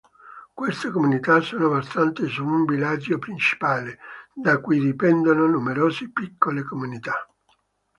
Queste comunità sono basate su un villaggio principale, da cui dipendono numerose piccole comunità.